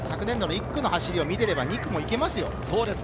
昨年度の１区の走りを見ていたら２区も行けますよ。